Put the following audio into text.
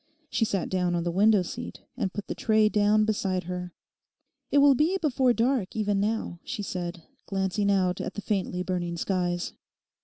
She sat down on the window seat and put the tray down beside her. 'It will be before dark even now,' she said, glancing out at the faintly burning skies.